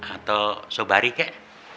atau sobari kek